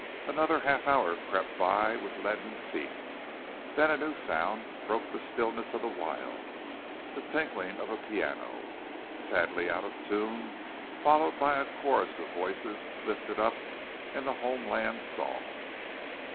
Another half hour crept by with leaden feet, then a new sound broke the stillness of the wild, the tinkling of a piano, sadly out of tune, followed by a chorus of voices lifted up in the homeland song.